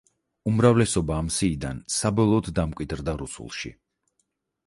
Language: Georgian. უმრავლესობა ამ სიიდან საბოლოოდ დამკვიდრდა რუსულში.